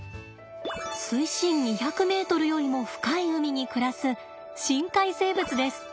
水深２００ｍよりも深い海に暮らす深海生物です。